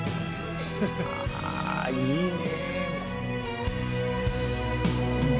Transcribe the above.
ああいいね。